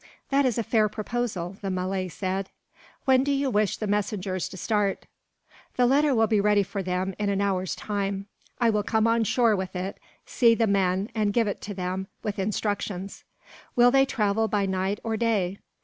"That is a fair proposal," the Malay said. "When do you wish the messengers to start?" "The letter will be ready for them, in an hour's time. I will come on shore with it, see the men, and give it to them, with instructions. Will they travel by night, or day?"